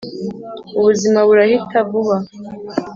ubuzima burahita vuba,